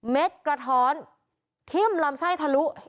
กระท้อนทิ้มลำไส้ทะลุ